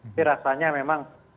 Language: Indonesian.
tapi rasanya memang